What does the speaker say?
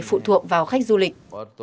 phụ thuộc vào khách du lịch